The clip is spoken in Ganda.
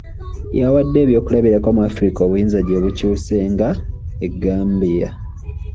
Yawade ebyokulabirako mu Africa obuyinza gye bukyuse nga e Gambia.